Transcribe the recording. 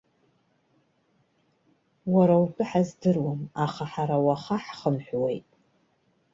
Уара утәы ҳаздыруам, аха ҳара уаха ҳхынҳәуеит.